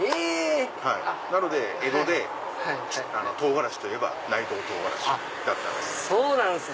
なので江戸で唐辛子といえば内藤とうがらしだったんです。